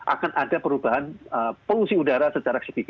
akan ada perubahan polusi udara secara signifikan